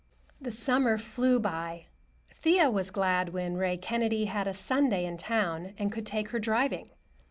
XVII The summer flew by. Thea was glad when Ray Kennedy had a Sunday in town and could take her driving.